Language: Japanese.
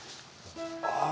ああ！